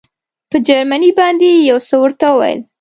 په جرمني باندې یې یو څه ورته وویل.